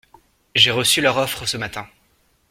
J'ai reçu leur offre ce matin.